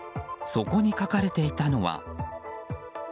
そこに書かれていたのは。